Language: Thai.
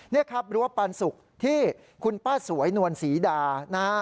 นี่ครับรั้วปันสุกที่คุณป้าสวยนวลศรีดานะฮะ